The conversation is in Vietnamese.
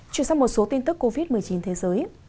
chuyển sang một số tin tức covid một mươi chín thế giới